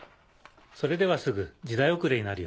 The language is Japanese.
それではすぐ時代遅れになるよ。